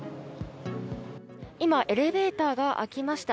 今、エレベーターが開きました。